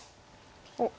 おっ。